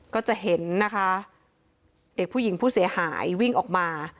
ก็จะเห็นนะคะเด็กผู้หญิงผู้เสียหายวิ่งออกมา